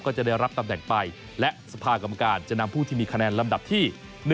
จะได้รับตำแหน่งไปและสภากรรมการจะนำผู้ที่มีคะแนนลำดับที่๑